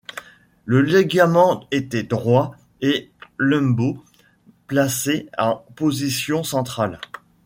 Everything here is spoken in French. Le ligament était droit et l'umbo placé en position centrale.